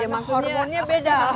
maksudnya hormonnya beda